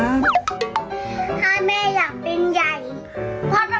ถ้าแม่อยากเป็นใหญ่